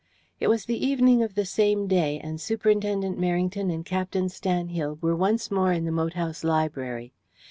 It was the evening of the same day, and Superintendent Merrington and Captain Stanhill were once more in the moat house library.